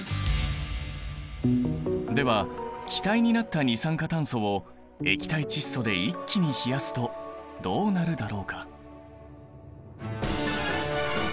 では気体になった二酸化炭素を液体窒素で一気に冷やすとどうなるだろうか？